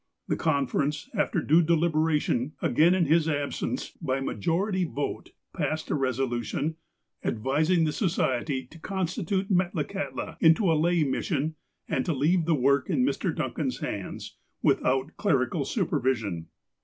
The conference, after due deliberation, again in his ab sence, by a majority vote, passed a resolution "advising the Society to constitute Metlakahtla into a lay mission, and to leave the work in Mr. Duncan's hands, witliout clerical supervision.